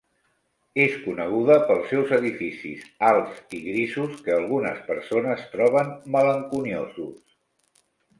És coneguda pels seus edificis alts i grisos que algunes persones troben malenconiosos.